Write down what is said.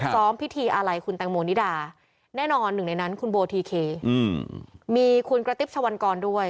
ซ้อมพิธีอะไรคุณแตงโมนิดาแน่นอนหนึ่งในนั้นคุณโบทีเคมีคุณกระติ๊บชะวันกรด้วย